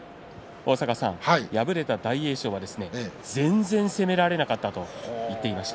敗れた大栄翔は全然攻められなかったと言っていました。